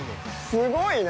すごいね！